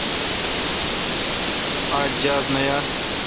آج جاز نہ یال۔